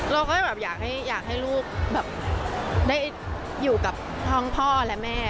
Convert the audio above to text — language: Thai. เราก็อยากให้ลูกอยู่กับท่องพ่อและแม่